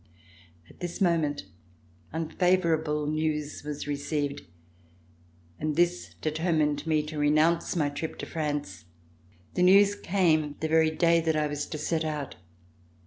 At this moment un favorable news was received, and this determined me to renounce my trip to France. The news came the very day that I was to set out.